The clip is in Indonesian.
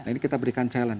ini kita berikan challenge